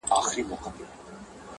شین سهار وو د مخلوق جوپې راتللې!!